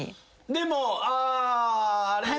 でもああ。